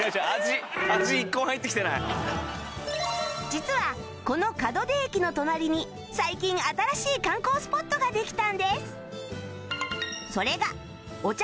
実はこの門出駅の隣に最近新しい観光スポットができたんです